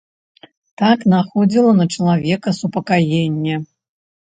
Так находзіла на чалавека супакаенне.